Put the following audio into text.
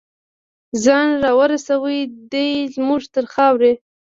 ځان راورسوي دی زمونږ تر خاورې